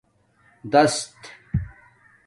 دَست